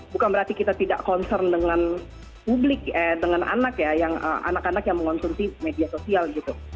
bukan berarti kita tidak concern dengan publik dengan anak ya anak anak yang mengonsumsi media sosial gitu